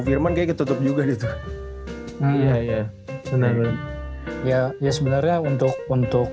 firman kayaknya ketutup juga itu iya iya bener ya ya sebenarnya untuk untuk